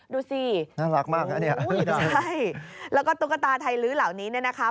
ดูสิโอ้โฮใช่แล้วก็ตุ๊กตาไทยลื้อเหล่านี้นะคะ